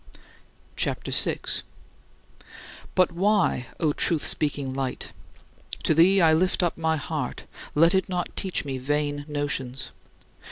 CHAPTER VI 7. But why, O truth speaking Light? To thee I lift up my heart let it not teach me vain notions.